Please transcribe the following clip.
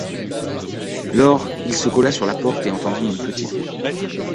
Lors, il se colla sur la porte et entendit une petite voix.